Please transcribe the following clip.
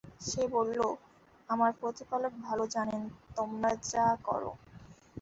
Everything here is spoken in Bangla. সে বলল, আমার প্রতিপালক ভাল জানেন তোমরা যা কর।